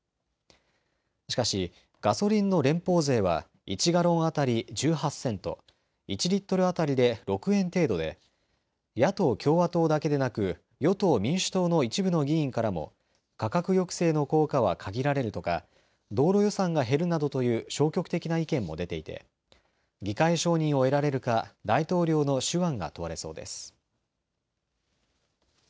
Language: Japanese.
しかしガソリンの連邦税は１ガロン当たり１８セント、１リットル当たり６円程度で野党共和党だけでなく与党民主党の一部の議員からも価格抑制の効果は限られるとか道路予算が減るなどという消極的な意見も出ていて議会承認を得られるか大統領の手腕が問われそうです。